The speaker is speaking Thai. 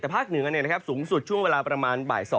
แต่ภาคเหนือสูงสุดช่วงเวลาประมาณบ่าย๒